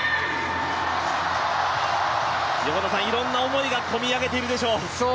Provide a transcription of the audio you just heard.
いろんな思いがこみ上げているでしょう。